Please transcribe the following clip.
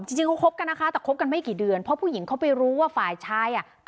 จริงเขาคบกันนะคะแต่คบกันไม่กี่เดือนเพราะผู้หญิงเขาไปรู้ว่าฝ่ายชายอ่ะ